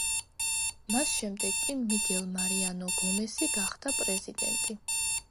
მის შემდეგ კი მიგელ მარიანო გომესი გახდა პრეზიდენტი.